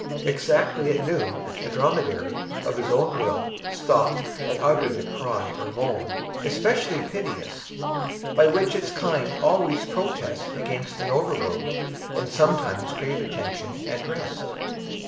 Exactly at noon the dromedary, of its own will, stopped, and uttered the cry or moan, peculiarly piteous, by which its kind always protest against an overload, and sometimes crave attention and rest.